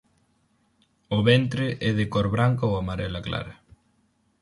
O ventre é de cor branca ou amarela clara.